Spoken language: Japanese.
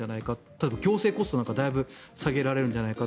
例えば行政コストなんかだいぶ下げられるんじゃないか。